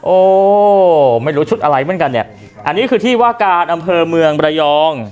โอ้ไม่รู้ชุดอะไรเหมือนกันเนี่ยอันนี้คือที่ว่าการอำเภอเมืองระยอง